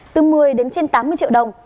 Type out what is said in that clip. từ một mươi tám mươi triệu đồng